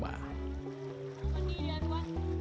berapa tinggi dia tuan